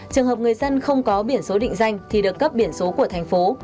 trường hợp người dân không có biển số định danh thì được cấp biển số của thành phố